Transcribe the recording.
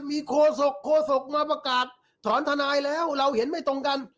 มีโคศกโคศกมาประกาศถอนทนายแล้วเราเห็นไม่ตรงกัน